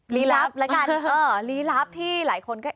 ลี้ลับแล้วกันลี้ลับที่หลายคนก็